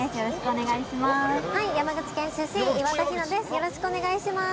よろしくお願いします。